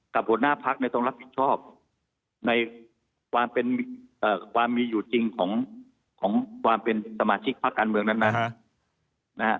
หัวหน้าพักเนี่ยต้องรับผิดชอบในความเป็นความมีอยู่จริงของความเป็นสมาชิกพักการเมืองนั้นนะฮะ